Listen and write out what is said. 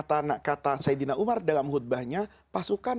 kata anak kata sayyidina umar dalam khutbah itu adalah satu pasukan